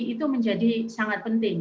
itu menjadi sangat penting